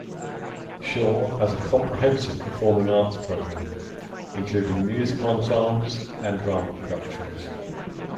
Shore has a comprehensive performing arts program, including Music Ensembles and Drama productions.